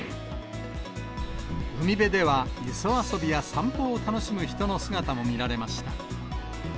海辺では磯遊びや散歩を楽しむ人の姿も見られました。